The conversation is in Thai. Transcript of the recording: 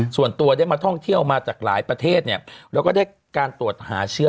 ส่วนตัวได้มาท่องเที่ยวมาจากหลายประเทศเนี่ยแล้วก็ได้การตรวจหาเชื้อ